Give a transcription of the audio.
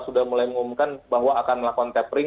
sudah mulai mengumumkan bahwa akan melakukan